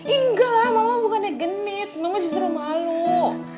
enggak lah mama bukannya genit mama justru malu